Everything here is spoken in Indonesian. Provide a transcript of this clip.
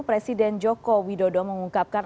presiden joko widodo mengungkapkan